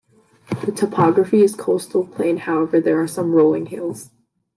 The topography is coastal plain; however there are some rolling hills.